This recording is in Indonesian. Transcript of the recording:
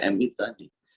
tiga m itu tadi